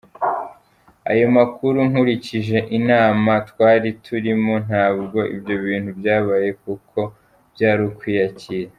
Ayo makuru nkurikije inama twari turimo ntabwo ibyo bintu byabaye kuko byari ukwiyakira.